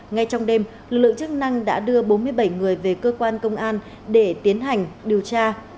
ngay trong đêm lực lượng chức năng đã đưa bốn mươi bảy người về cơ quan công an để tiến hành điều tra